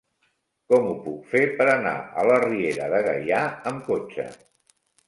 Com ho puc fer per anar a la Riera de Gaià amb cotxe?